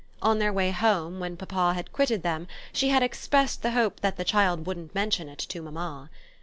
On their way home, when papa had quitted them, she had expressed the hope that the child wouldn't mention it to mamma.